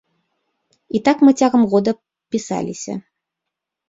І так мы цягам года пісаліся.